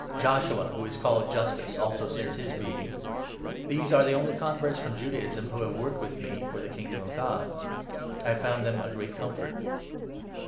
Joshua, who is called n Justus, also sends his greeting. These are the only converts from Judaism who have worked with me for the Kingdom of God ; I have found them a great comfort.